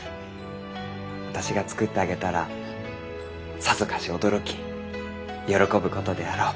私が作ってあげたらさぞかし驚き喜ぶことであろう。